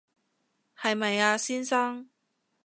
係咪啊，先生